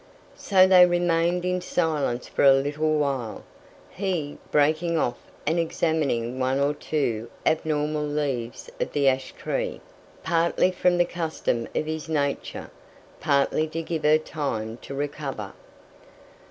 So they remained in silence for a little while; he, breaking off and examining one or two abnormal leaves of the ash tree, partly from the custom of his nature, partly to give her time to recover.